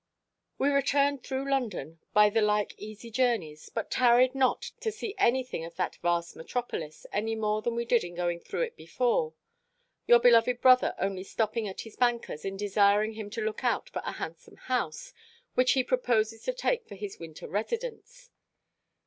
We returned through London, by the like easy journeys, but tarried not to see any thing of that vast metropolis, any more than we did in going through it before; your beloved brother only stopping at his banker's, and desiring him to look out for a handsome house, which he proposes to take for his winter residence.